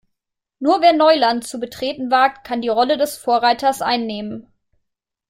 Nur wer Neuland zu betreten wagt, kann die Rolle des Vorreiters einnehmen.